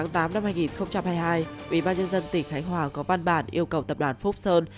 tháng tám năm hai nghìn hai mươi hai ubnd tỉnh khánh hòa có văn bản yêu cầu tập đoàn phúc sơn